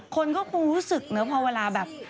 คนก็คงรู้สึกเนอะพอเวลาแบบ